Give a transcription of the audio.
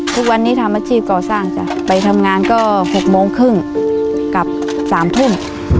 ชีวิตก่อสร้างไปทำงานก็๖โมงครึ่งกลับ๓ทุ่ม